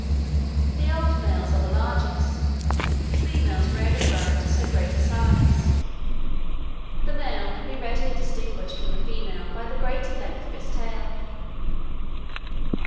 The old males are the largest, the females rarely growing to so great a size: the male can readily be distinguished from the female by the greater length of its tail.